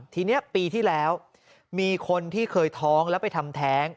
ทีนี้ปีที่แล้วมีคนที่เคยท้องแล้วไปทำแท้ง